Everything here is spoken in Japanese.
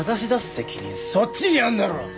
責任そっちにあるだろ！